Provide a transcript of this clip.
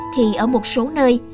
thì ở một số nơi